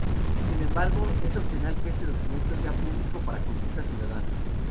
Sin embargo, es opcional que este documento sea público para consulta ciudadana.